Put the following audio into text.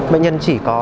bệnh nhân chỉ có